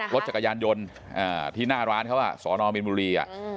รถจักรยานยนต์ที่หน้าร้านเขาสอนอมมีนบุรี